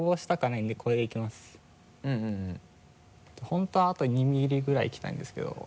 本当はあと２ミリぐらいいきたいんですけど。